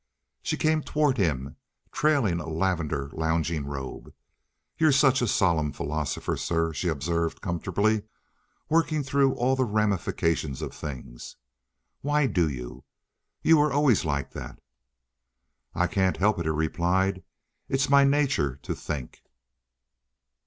She came toward him, trailing a lavender lounging robe. "You're such a solemn philosopher, sir," she observed comfortably, "working through all the ramifications of things. Why do you? You were always like that." "I can't help it," he replied. "It's my nature to think."